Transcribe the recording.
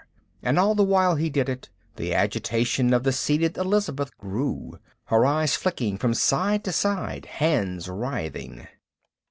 And all the while as he did it, the agitation of the seated Elizabeth grew, the eyes flicking from side to side, hands writhing.